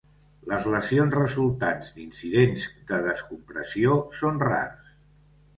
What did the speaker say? Les lesions resultants d'incidents de descompressió són rars.